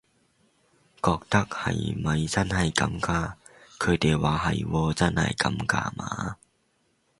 覺得係咪真係咁㗎，佢哋話係喎真係咁㗎嘛